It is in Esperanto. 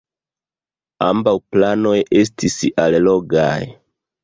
Ambaŭ planoj estis allogaj.